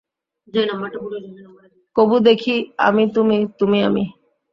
কভু দেখি আমি তুমি, তুমি আমি।